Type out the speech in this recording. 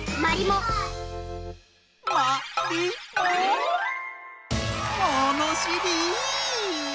ものしり！